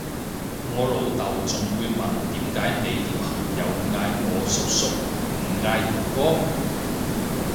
我老豆仲會問點解你啲朋友嗌我叔叔唔嗌哥哥？